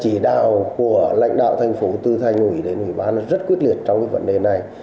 thì đạo của lãnh đạo thành phố từ thành ủy đến ủy bán rất quyết liệt trong vấn đề này